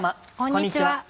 こんにちは。